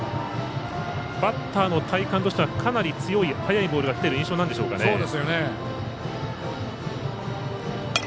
バッターの体感としてはかなり強い速いボールがきている印象なんでしょうかね。